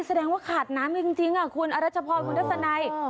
แสดงว่าขาดน้ำจริงจริงอ่ะคุณอรัชพอร์คุณทัศนัยอ่อ